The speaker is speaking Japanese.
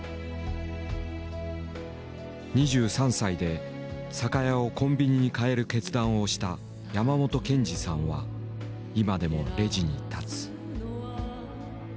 ２３歳で酒屋をコンビニに変える決断をした山本憲司さんは今でもレジに立つ。